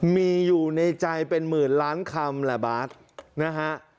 มีอยู่ในใจเป็นหมื่นล้านคำแหละบาทนะฮะ